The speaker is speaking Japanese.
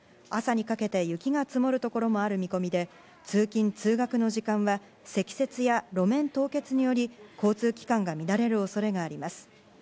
朝にかけて雪が積もるところもある見込みで通勤・通学の時間は積雪や路面凍結により交通機関が乱れる恐れがあります。